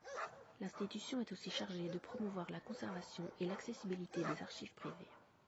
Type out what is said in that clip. L’institution est aussi chargée de promouvoir la conservation et l’accessibilité des archives privées.